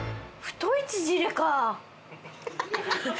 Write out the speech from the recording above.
太い縮れ！